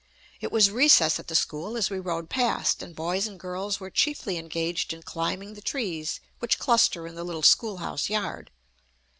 It was recess at the school as we rowed past, and boys and girls were chiefly engaged in climbing the trees which cluster in the little schoolhouse yard.